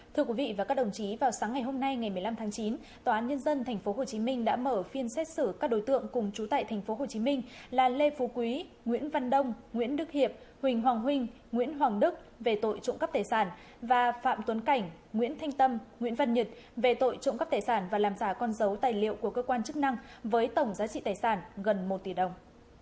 thưa quý vị và các đồng chí vào sáng ngày hôm nay ngày một mươi năm tháng chín tòa án nhân dân tp hcm đã mở phiên xét xử các đối tượng cùng chú tại tp hcm là lê phú quý nguyễn văn đông nguyễn đức hiệp huỳnh hoàng huynh nguyễn hoàng đức về tội trụng cấp tài sản và phạm tuấn cảnh nguyễn thanh tâm nguyễn văn nhật về tội trụng cấp tài sản và làm giả con dấu tài liệu của cơ quan chức năng với tổng giá trị tài sản gần một tỷ đồng